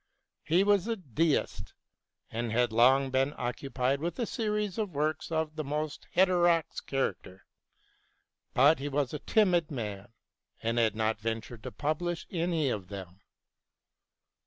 He was a Deist, and had long been occupied with a series of works of a most heterodox character ; but he was a timid man, and had not ventured to publish any of them.